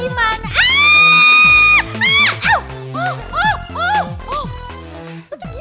itu gimana sih